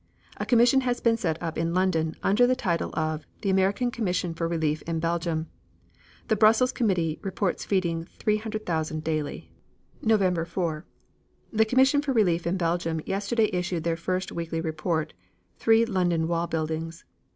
A commission has been set up in London, under the title of The American Commission for Relief in Belgium. The Brussels committee reports feeding 300,000 daily. November 4. The Commission for Relief in Belgium yesterday issued their first weekly report, 3 London Wall Buildings.